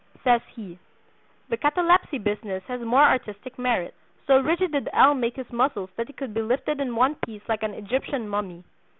Says he: "The 'catalepsy business' had more artistic merit. So rigid did L. make his muscles that he could be lifted in one piece like an Egyptian mummy.